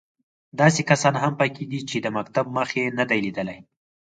داسې کسان هم په کې دي چې د مکتب مخ یې نه دی لیدلی.